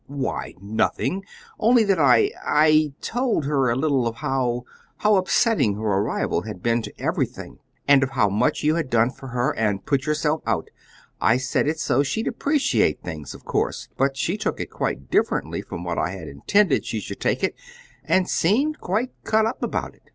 "Why, nothing, only that I I told her a little of how how upsetting her arrival had been to everything, and of how much you had done for her, and put yourself out. I said it so she'd appreciate things, of course, but she took it quite differently from what I had intended she should take it, and seemed quite cut up about it.